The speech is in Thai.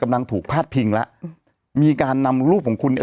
กำลังถูกพาดพิงแล้วมีการนำรูปของคุณเนี่ย